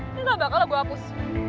ini gak bakalan gue hapus